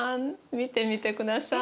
見てみて下さい。